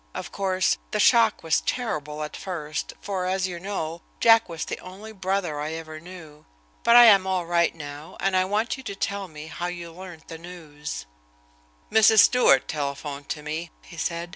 Of course, the shock was terrible at first, for, as you know, Jack was the only brother I ever knew. But I am all right now and I want you to tell me how you learned the news." "Mrs. Stewart telephoned to me," he said.